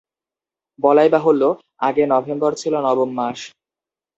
বলাই বাহুল্য, আগে নভেম্বর ছিলো নবম মাস।